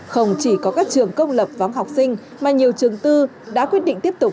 không chỉ có các trường công lập vắng học sinh mà nhiều trường tư đã quyết định tiếp tục